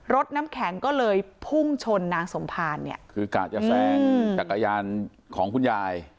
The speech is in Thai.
รถน้ำแข็งก็เลยพุ่งชนนางสมภารเนี่ยคือกะจะแซงจักรยานของคุณยาย